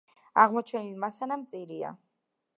აღმოჩენილი მასალა მწირია.